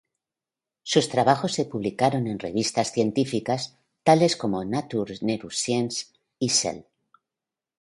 Sus trabajos se publicaron en revistas científicas tales como "Nature Neuroscience" y "Cell".